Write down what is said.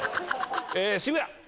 渋谷！